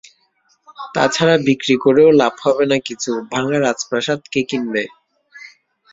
তা ছাড়া বিক্রি করেও লাভ হবে না কিছু ভাঙা রাজপ্রাসাদ কে কিনবে?